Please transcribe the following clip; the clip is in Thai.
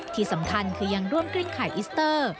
ที่สำคัญคือยังร่วมกริ้งไข่อิสเตอร์